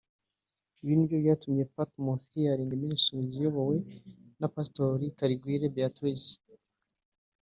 Ibi ni byo byatumye Pathmos Healing Ministries iyobowe na Pasitori Kaligwire Beatrice